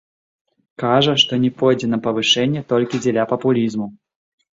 Кажа, што не пойдзе на павышэнне толькі дзеля папулізму.